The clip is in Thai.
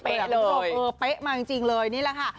เปะเปะมาจริงจริงเลยนี่แหละค่ะ